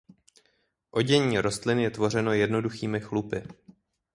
Odění rostlin je tvořeno jednoduchými chlupy.